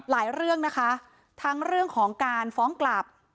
เรื่องนะคะทั้งเรื่องของการฟ้องกลับ